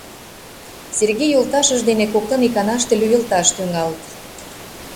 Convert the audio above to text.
Сергей йолташыж дене коктын иканаште лӱйылташ тӱҥалыт.